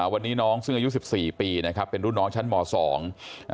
วันนี้น้องซึ่งอายุ๑๔ปีนะครับเป็นรุ่นน้องชั้นหม่อสอง